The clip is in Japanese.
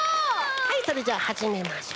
はいそれじゃはじめましょう。